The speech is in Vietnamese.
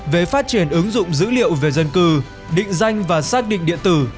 về phát triển ứng dụng dữ liệu về dân cư định danh và xác định điện tử